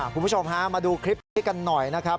คุณผู้ชมฮะมาดูคลิปนี้กันหน่อยนะครับ